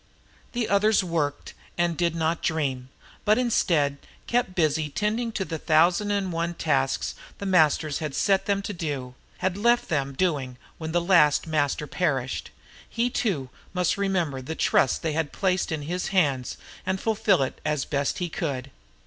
The others worked and did not dream, but instead kept busy tending to the thousand and one tasks The Masters had set them to do had left them doing when the last Master perished. He too must remember the trust they had placed in his hands and fulfill it as best he could.